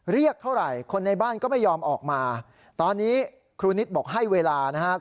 เรียกเท่าไหร่คนในบ้านก็ไม่ยอมออกมาตอนนี้ครูนิตบอกให้เวลานะครับ